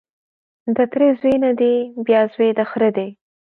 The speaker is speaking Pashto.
د تره زوی نه دی بیا زوی د خره دی